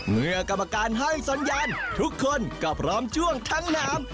เมื่อกรรมการให้สัญญาณทุกคนก็พร้อมช่วงทั้งน้ำ